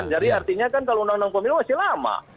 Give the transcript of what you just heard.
jadi artinya kan kalau undang undang pemilu masih lama